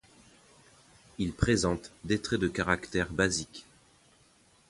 Ils présentent des traits de caractères basiques.